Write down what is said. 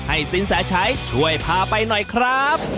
สินแสชัยช่วยพาไปหน่อยครับ